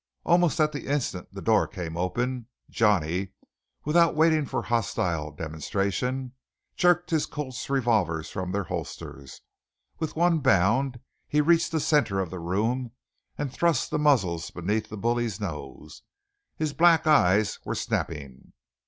Almost at the instant the door came open, Johnny, without waiting for hostile demonstration, jerked his Colt's revolvers from their holsters. With one bound he reached the centre of the room, and thrust the muzzles beneath the bully's nose. His black eyes were snapping.